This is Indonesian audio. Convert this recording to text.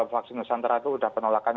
vaksin nusantara itu sudah penolakan